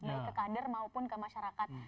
baik ke kader maupun ke masyarakat